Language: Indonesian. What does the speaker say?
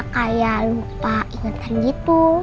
kayak lupa ingetan gitu